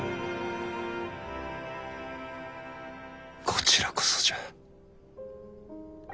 こちらこそじゃ。